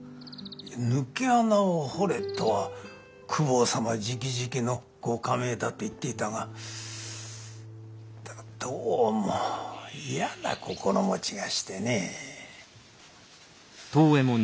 「抜け穴を掘れ」とは公方様じきじきのご下命だと言っていたがだがどうも嫌な心持ちがしてね。